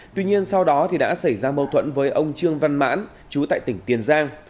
tuy nhiên sau đó đã xảy ra mâu thuẫn với ông trương văn mãn chú tại tỉnh tiền giang